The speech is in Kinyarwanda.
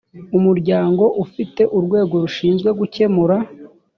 umuryango ufite urwego rushinzwe gukemura